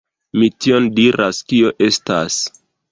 Mi tion diras, kio estas.